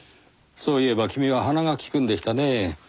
そういえば君は鼻が利くんでしたねぇ。